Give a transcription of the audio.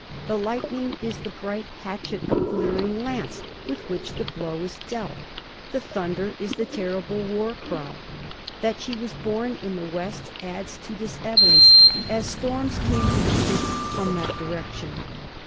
The lightning is the bright hatchet or glittering lance with which the blow is dealt. The thunder is the terrible war cry. That she was born in the west adds to this evidence, as storms came to the Greeks from that direction.